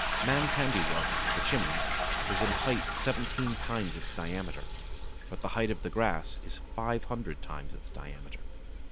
Man's handiwork, the chimney, is in height seventeen times its diameter, but the height of the grass is 500 times its diameter.